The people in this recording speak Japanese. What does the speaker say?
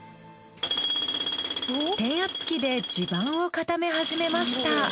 転圧機で地盤を固め始めました。